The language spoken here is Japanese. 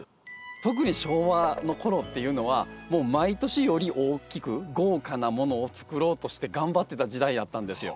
特に昭和の頃っていうのはもう毎年より大きく豪華なものを作ろうとして頑張ってた時代やったんですよ。